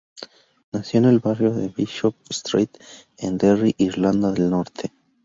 Nació en el barrio de Bishop Street, en Derry, Irlanda del Norte.